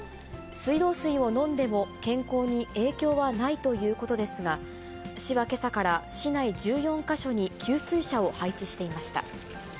水道水を飲んでも健康に影響はないということですが、市はけさから、市内１４か所に給水車を配置していました。